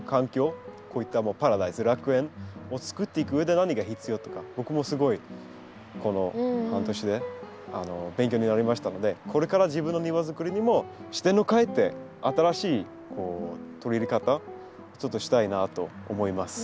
こういったパラダイス楽園を作っていくうえで何が必要とか僕もすごいこの半年で勉強になりましたのでこれから自分の庭作りにも視点を変えて新しい取り入れ方ちょっとしたいなと思います。